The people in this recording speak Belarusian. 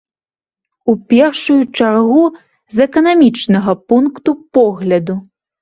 У першую чаргу з эканамічнага пункту погляду.